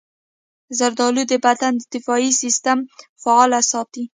زردالو د بدن دفاعي سستم فعال ساتي.